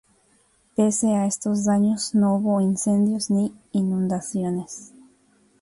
Pese a estos daños, no hubo incendios ni inundaciones.